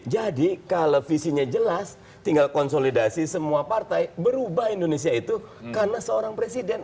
jadi kalau visinya jelas tinggal konsolidasi semua partai berubah indonesia itu karena seorang presiden